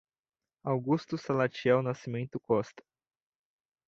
Augusto Salatiel Nascimento Costa